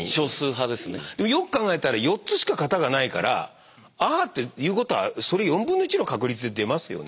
でもよく考えたら４つしか型がないから「ああ」っていうことはそれ４分の１の確率で出ますよね。